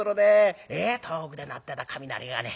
遠くで鳴ってた雷がね